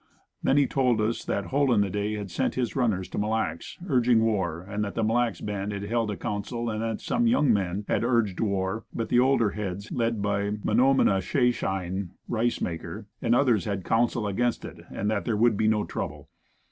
He then told us that Hole in the day had sent his runners to Mille Lacs urging war and that the Mille Lacs band had held a council and that "some young men" had urged war but the older heads led by Mun o min e kay shein (Ricemaker) and others had counseled against it and that there would be no trouble.